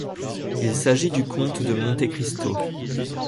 Il s’agit du comte de Monte Cristo.